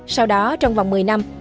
sau đó trong vòng một mươi năm